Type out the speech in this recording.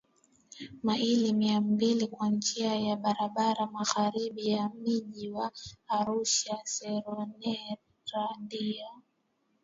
maili Mia mbili kwa njia ya barabara magharibi ya mji wa ArushaSeronera ndio